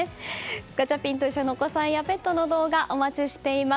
ガチャピンといっしょ！のお子さんやペットの動画お待ちしています。